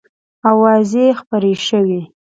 آوازې خپرې شوې.